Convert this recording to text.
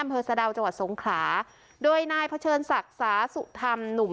อำเภอสะดาวจังหวัดสงขลาโดยนายเผชิญศักดิ์สาสุธรรมหนุ่ม